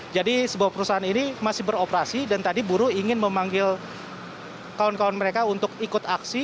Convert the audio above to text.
jadi sebuah perusahaan ini masih beroperasi dan tadi buruh ingin memanggil kawan kawan mereka untuk ikut aksi